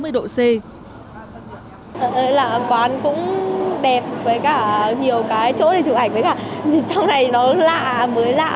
ở đây là quán cũng đẹp với cả nhiều cái chỗ này chụp ảnh với cả trong này nó lạ mới lạ